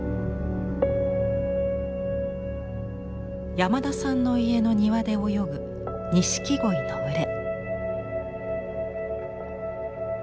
山田さんの家の庭で泳ぐ錦鯉の群れ。